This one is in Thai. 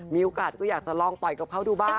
มีโอกาสก็อยากจะลองต่อยกับเขาดูบ้าง